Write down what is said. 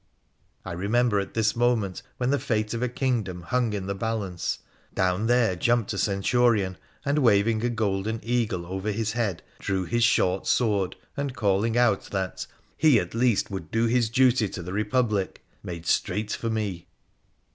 I remember at this moment, when the fate of a king dom hung in the balance, down there jumped a Centurion, and, waving a golden eagle over his head, drew his short sword, and calling out that ' he at least would do his duty to the Republic,' made straight for me.